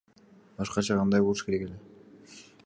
Башкача кандай болуш керек эле?